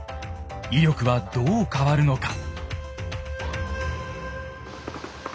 威力はどう変わるのか。